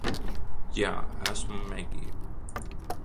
Jā. Esmu Megija.